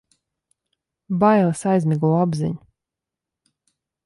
Bailes aizmiglo apziņu.